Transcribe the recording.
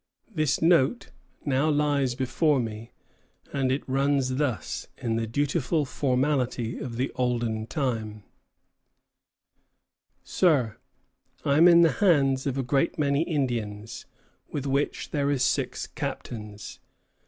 This note now lies before me, and it runs thus, in the dutiful formality of the olden time: Sir, I am in the hands of a great many Indians, with which there is six captains.